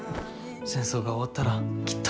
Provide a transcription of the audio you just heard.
戦争が終わったらきっと。